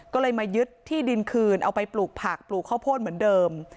ก็เลยมายึดที่ดินคืนเอาไปปลูกผักปลูกข้าวโพดเหมือนเดิม